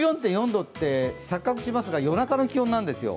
１４．４度って、錯覚しますが夜中の気温なんですよ。